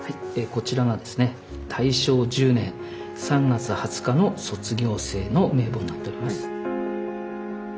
こちらがですね大正十年三月二十日の卒業生の名簿になっております。